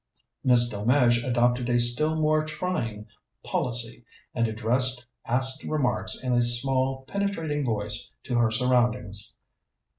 Miss Delmege adopted a still more trying policy, and addressed acid remarks in a small, penetrating voice to her surroundings.